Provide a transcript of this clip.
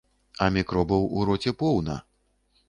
А мікробаў у роце поўна.